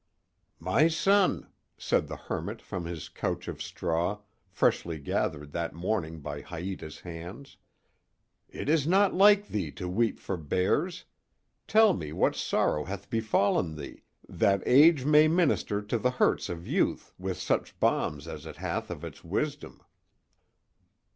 "My son," said the hermit from his couch of straw, freshly gathered that morning by Haïta's hands, "it is not like thee to weep for bears—tell me what sorrow hath befallen thee, that age may minister to the hurts of youth with such balms as it hath of its wisdom."